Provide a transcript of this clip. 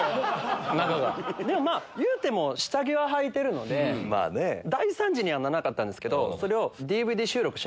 まぁいうても下着ははいてるので大惨事にはならなかったんですけど。